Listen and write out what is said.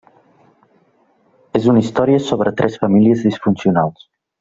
És una història sobre tres famílies disfuncionals.